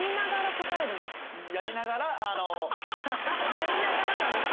やりながらなんですか？